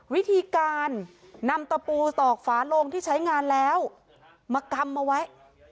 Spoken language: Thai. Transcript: วิธีการนำตะปูตอกฝาโลงที่ใช้งานแล้วมากำเอาไว้